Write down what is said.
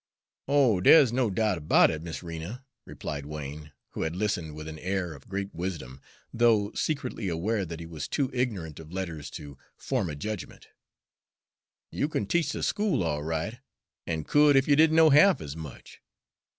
"Oh, dere 's no doubt about it, Miss Rena," replied Wain, who had listened with an air of great wisdom, though secretly aware that he was too ignorant of letters to form a judgment; "you kin teach de school all right, an' could ef you didn't know half ez much.